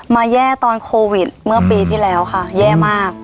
แย่ตอนโควิดเมื่อปีที่แล้วค่ะแย่มาก